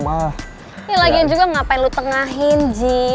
ya lagi yang juga ngapain lo tengahin ji